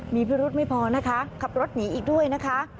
มีพิรุธไม่พอนะคะขับรถหนีอีกด้วยนะคะ